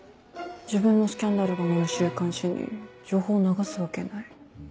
自分のスキャンダルが載る週刊誌に情報を流すわけない。